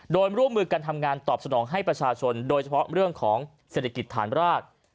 โดยร่วมมือกันทำงานตอบสนองให้ประชาชนโดยเฉพาะเรื่องของเศรษฐกิจฐานราก